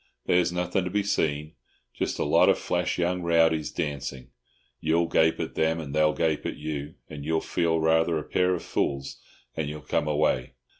"There's nothing to be seen—just a lot of flash young rowdies dancing. You'll gape at them, and they'll gape at you, and you'll feel rather a pair of fools, and you'll come away.